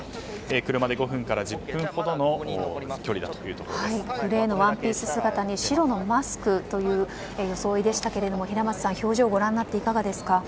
車で５分から１０分ほどのグレーのワンピース姿に白のマスクという装いでしたが平松さん、表情をご覧になっていかがですか？